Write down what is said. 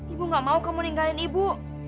ibu gak mau kamu ninggalin ibu